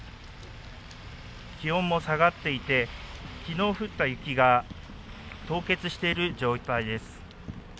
気温も下がっていて、きのう降った雪が凍結している状態です。